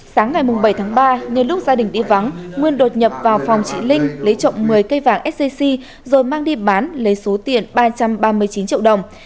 sáng ngày bảy tháng ba nhờ lúc gia đình đi vắng nguyên đột nhập vào phòng chị linh lấy trộm một mươi cây vàng sjc rồi mang đi bán lấy số tiền ba trăm ba mươi chín triệu đồng